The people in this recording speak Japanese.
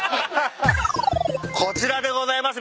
こちらでございます。